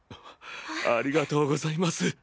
ありがとうございます。